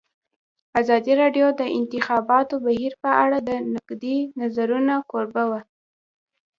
ازادي راډیو د د انتخاباتو بهیر په اړه د نقدي نظرونو کوربه وه.